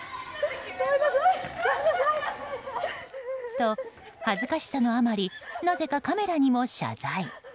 と、恥ずかしさのあまりなぜかカメラにも謝罪。